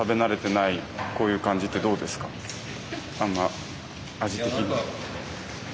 あんま味的に。